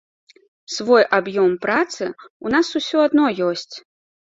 Свой аб'ём працы ў нас ўсё адно ёсць.